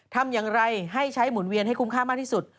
ทำอย่างไรให้ใช้หมุนเวียนให้คุ้มค่ามากที่สุด